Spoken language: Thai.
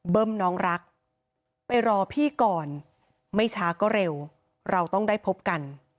น้องรักไปรอพี่ก่อนไม่ช้าก็เร็วเราต้องได้พบกัน